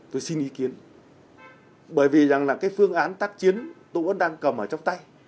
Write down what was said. tôi xin ý kiến bởi vì rằng là cái phương án tác chiến tôi vẫn đang cầm ở trong tay